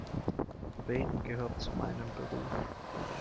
Reden gehört zu meinem Beruf.